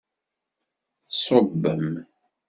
Ṣṣubem!